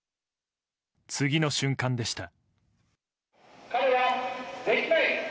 次の瞬間でした。